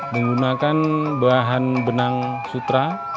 kalau untuk event pun jenis kue yang lebih panggian se folkfarok